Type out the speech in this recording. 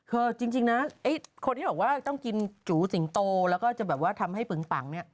คือจริงนะคนที่บอกว่าต้องกินจูสิงโตแล้วก็จะทำให้เปึ้งเปัง